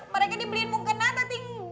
mereka dibeliin mukena tati enggak